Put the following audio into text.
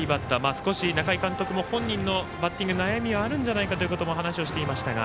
少し中井監督も本人のバッティング悩みはあるんじゃないかと話をしていましたが。